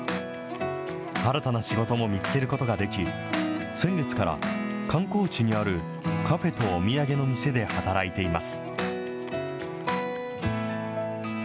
新たな仕事も見つけることができ、先月から観光地にあるカフェとお土産の店で働いています。